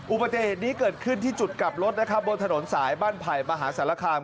อุบัติเหตุนี้เกิดขึ้นที่จุดกลับรถนะครับบนถนนสายบ้านไผ่มหาสารคาม